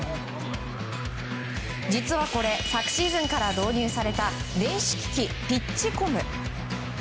実はこれ昨シーズンから導入された電子機器、ピッチコム。